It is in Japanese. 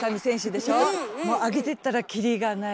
もう挙げてったら切りがない。